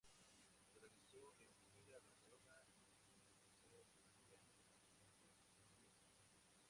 Se realizó en Fira Barcelona, en el "Paseo María Cristina".